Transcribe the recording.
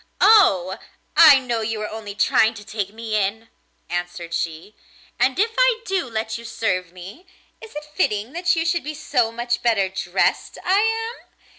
'Oh! I know you are only trying to take me in,' answered she; 'and if I do let you serve me, is it fitting that you should be so much better dressed I am?